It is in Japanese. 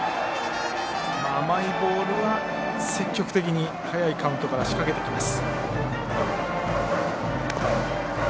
甘いボールは積極的に早いカウントから仕掛けてきます。